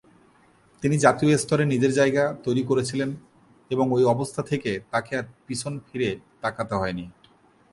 তিনি জাতীয় স্তরে নিজের জায়গা তৈরি করেছিলেন, এবং ওই অবস্থা থেকে তাঁকে আর পিছন ফিরে তাকাতে হয়নি।